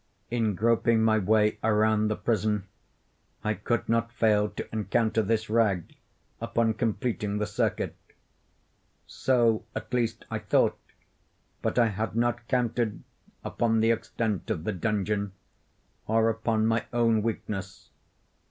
In groping my way around the prison, I could not fail to encounter this rag upon completing the circuit. So, at least I thought: but I had not counted upon the extent of the dungeon, or upon my own weakness.